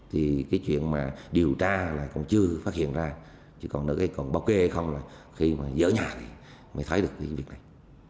thì cái chuyện mà điều tra là còn chưa phát hiện ra chỉ còn báo ghê không là khi mà dỡ nhà thì mới thấy được cái việc này